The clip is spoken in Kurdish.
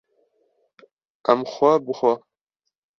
Em xwe bi xwe